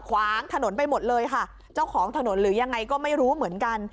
ขวางถนนไปหมดเลยค่ะเจ้าของถนนหรือยังไงก็ไม่รู้เหมือนกัน